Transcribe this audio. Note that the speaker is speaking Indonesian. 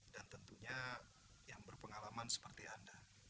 dan tentunya yang berpengalaman seperti anda